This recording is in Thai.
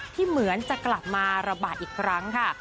เหมือนจะกลับมาระบาดอีกครั้งค่ะ